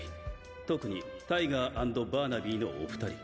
特にタイガー＆バーナビーのお２人。